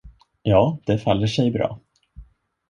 Ja, det faller sig bra.